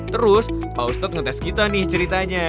terus pak ustadz ngetes kita nih ceritanya